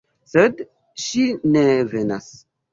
Sed ŝi ne venas.